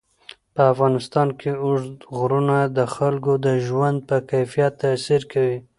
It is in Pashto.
په افغانستان کې اوږده غرونه د خلکو د ژوند په کیفیت تاثیر کوي.